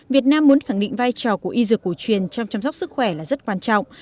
việt nam muốn khẳng định vai trò của y dược cổ truyền trong chăm sóc sức khỏe là rất quan trọng